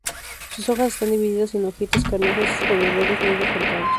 Sus hojas están divididas en hojitas carnosas con los bordes muy recortados.